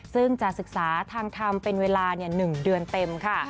ซึ่งจะศึกษาทางทำเป็นเวลา๑เดือนเต็มค่ะ